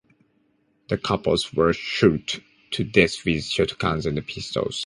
The capos were shot to death with shotguns and pistols.